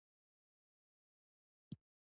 واکمنان د ټکنالوژۍ او نوښتونو کلک مخالف وو.